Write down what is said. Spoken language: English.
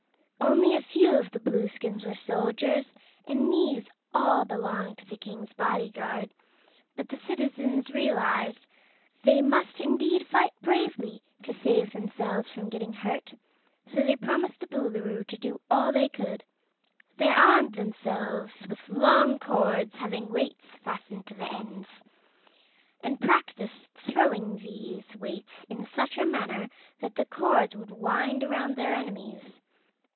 Only a few of the Blueskins were soldiers, and these all belonged to the King's bodyguard, but the citizens realized they must indeed fight bravely to save themselves from getting hurt, so they promised the Boolooroo to do all they could. They armed themselves with long cords having weights fastened to the ends, and practiced throwing these weights in such a manner that the cords would wind around their enemies.